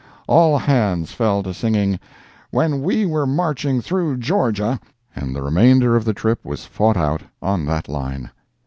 All hands fell to singing "When we were Marching Through Georgia," and the remainder of the trip was fought out on that line.